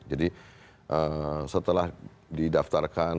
jadi setelah didaftarkan